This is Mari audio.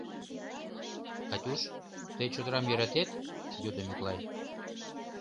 — Катюш, тый чодрам йӧратет? — йодо Миклай.